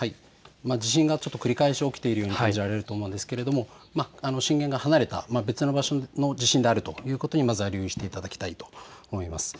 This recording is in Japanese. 地震が繰り返し起きているかと感じられると思いますが震源が離れた別の場所の地震であるということにまずは留意していただきたいと思います。